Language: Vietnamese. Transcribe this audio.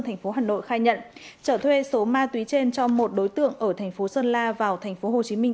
thành phố hà nội khai nhận trở thuê số ma túy trên cho một đối tượng ở thành phố sơn la vào thành phố hồ chí minh